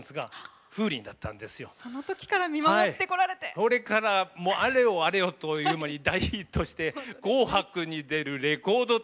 それからもうあれよあれよという間に大ヒットして「紅白」に出るレコード大賞はとる。